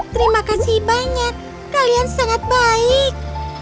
terima kasih banyak kalian sangat baik